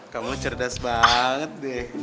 kamu cerdas banget deh